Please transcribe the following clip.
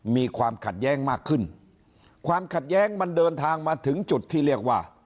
มีความขัดแย้งมากขึ้นความขัดแย้งมันเดินทางมาถึงจุดที่เรียกว่า